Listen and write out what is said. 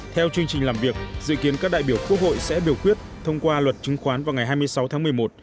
theo chương trình làm việc dự kiến các đại biểu quốc hội sẽ biểu quyết thông qua luật chứng khoán vào ngày hai mươi sáu tháng một mươi một